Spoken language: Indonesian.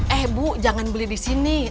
eh bu jangan beli di sini